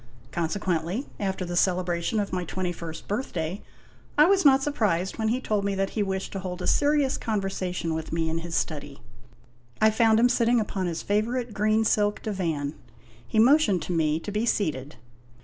Consequently, after the celebration of my twenty first birthday, I was not surprised when he told me that he wished to hold a serious conversation with me in his study. I found him sit ting upon his favorite green silk divan. He motioned to me to be seated.